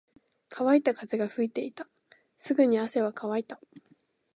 乾いた風が吹いていた。すぐに汗は乾いた。